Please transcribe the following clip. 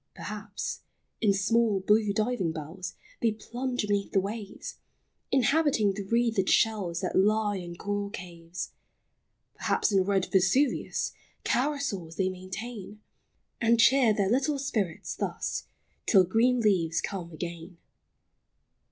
Perhaps, in small, blue diving bells They plunge beneath the waves, Inhabiting the wreathed shells That lie in coral caves. Perhaps, in red Vesuvius Carousals they maintain ; And cheer their little spirits thus, Till green leaves come again.